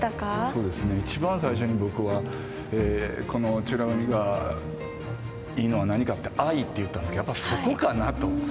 そうですね一番最初に僕はこの「美ら海」がいいのは何かって愛って言ったんだけどやっぱりそこかなと。